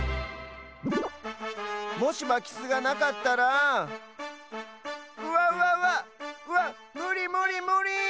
もしまきすがなかったらわわわっわっむりむりむり！